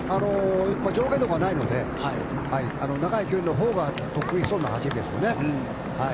上下動がないので長い距離のほうが得意そうな走りですよね。